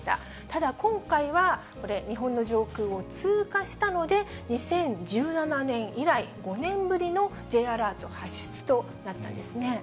ただ今回は、これ、日本の上空を通過したので、２０１７年以来５年ぶりのＪアラート発出となったんですね。